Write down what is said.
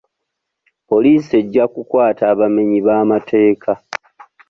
Poliisi ejja kukwata abamenyi b'amateeka.